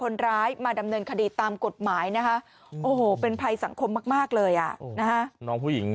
เนี่ย